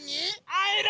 あえる！